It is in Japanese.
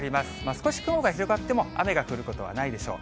少し雲が広がっても、雨が降ることはないでしょう。